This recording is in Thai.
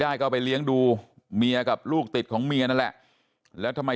เอาไปเลี้ยงดูเมียกับลูกติดของเมียนั่นแหละแล้วทำไม